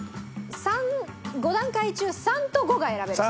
５段階中３と５が選べます。